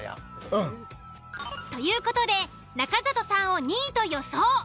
うん。という事で中里さんを２位と予想。